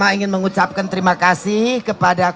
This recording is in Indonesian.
kita menyusul bang santi di belakang